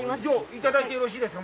いただいてよろしいですか。